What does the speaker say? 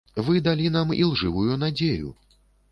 Вы далі нам ілжывую надзею.